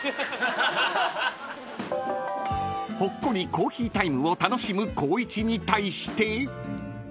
［ほっこりコーヒータイムを楽しむ光一に対して］